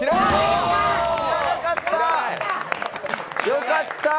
よかった。